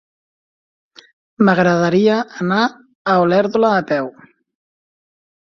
M'agradaria anar a Olèrdola a peu.